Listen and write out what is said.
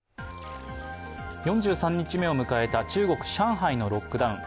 ４３日目を迎えた中国・上海のロックダウン。